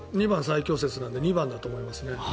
２番最強説なんで２番だと思いますね。